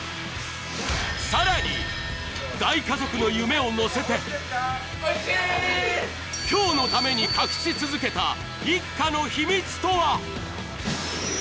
更に大家族の夢を乗せて今日のために隠し続けた一家の秘密とは？